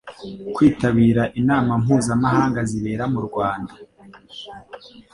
kwitabira inama mpuzamahanga zibera mu Rwanda.